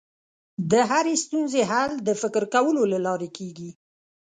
د هرې ستونزې حل د فکر کولو له لارې کېږي.